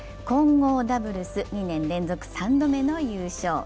混合ダブルス、２年連続３度目の優勝。